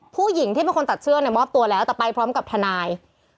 ผู้หญิงที่เป็นคนตัดเสื้อเนี่ยมอบตัวแล้วแต่ไปพร้อมกับทนาย